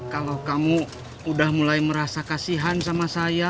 kalau kamu udah mulai merasa kasihan sama saya